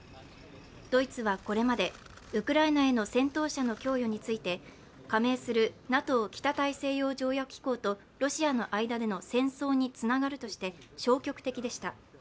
ドイツはこれまでウクライナへの戦闘車の供与について加盟するＮＡＴＯ＝北大西洋条約機構とロシアの間での戦争につながるとして消極的でした。